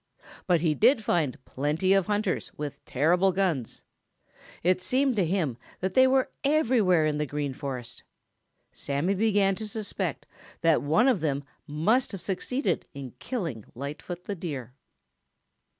But he did find plenty of hunters with terrible guns. It seemed to him that they were everywhere in the Green Forest. Sammy began to suspect that one of them must have succeeded in killing Lightfoot the Deer.